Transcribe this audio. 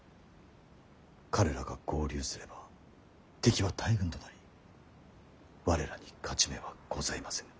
彼らが合流すれば敵は大軍となり我らに勝ち目はございませぬ。